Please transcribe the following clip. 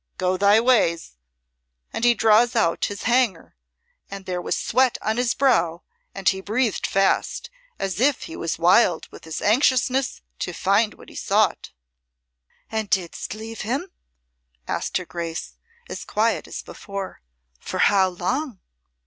Go thy ways.' And he draws out his hanger, and there was sweat on his brow and he breathed fast, as if he was wild with his anxiousness to find what he sought." "And didst leave him?" asked her Grace, as quiet as before. "For how long?"